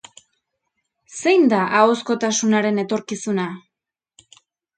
Zein da ahozkotasunaren etorkizuna?